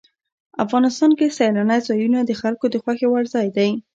افغانستان کې سیلانی ځایونه د خلکو د خوښې وړ ځای دی.